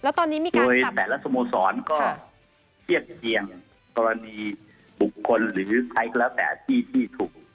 โดยแต่ละสโมศรก็เทียบเคียงกรณีบุคคลหรือใครก็แล้วแต่ที่ที่ถูก